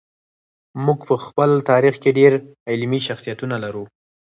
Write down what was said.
موږ په خپل تاریخ کې ډېر علمي شخصیتونه لرو.